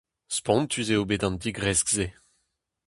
Spontus eo bet an digresk-se.